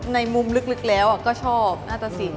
ในมุมลึกแล้วก็ชอบหน้าตะสิน